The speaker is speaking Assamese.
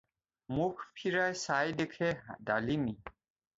মুখ ফিৰাই চাই দেখে ডালিমী।